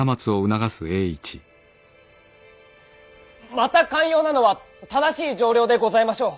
また肝要なのは正しい丈量でございましょう。